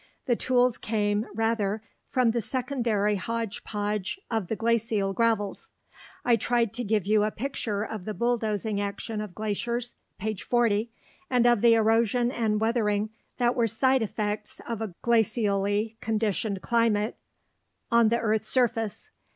The tools came, rather, from the secondary hodge podge of the glacial gravels. I tried to give you a picture of the bulldozing action of glaciers (p. 40) and of the erosion and weathering that were side effects of a glacially conditioned climate on the earth's surface.